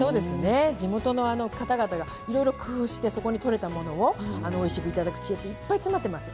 地元の方々がいろいろ工夫してそこに取れたものをおいしくいただく知恵って、いっぱい詰まってます。